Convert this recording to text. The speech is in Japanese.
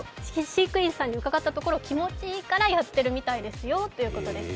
飼育員さんに伺ったところ、気持ちいいからやっているみたいですよということです。